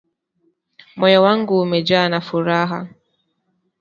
Moyo wangu umejaa na furaha